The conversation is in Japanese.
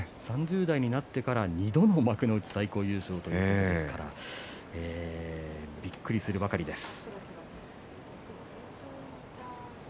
３０代になってから２度の幕内最高優勝ですからびっくりするばかりです。